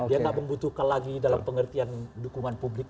dia nggak membutuhkan lagi dalam pengertian dukungan publik